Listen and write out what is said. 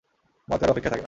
মদ কারও অপেক্ষায় থাকে না।